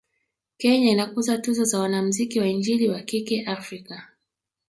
Kenya inakuza tuzo za wanamzuki wa injili wa kike Afika